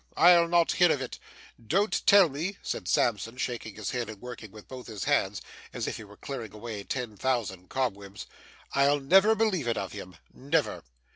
I'll not hear of it. Don't tell me' said Sampson, shaking his head, and working with both his hands as if he were clearing away ten thousand cobwebs. 'I'll never believe it of him. Never!